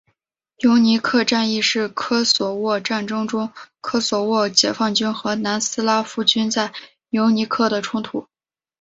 尤尼克战役是科索沃战争中科索沃解放军和南斯拉夫军在尤尼克的冲突。